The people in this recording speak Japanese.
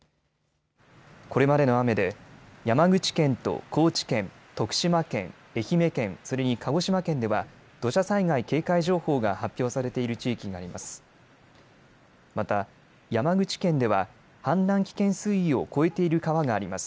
これまでの雨で山口県と高知県、徳島県、愛媛県、それに鹿児島県では土砂災害警戒情報が発表されている地域があります。